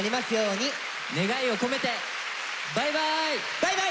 バイバイ！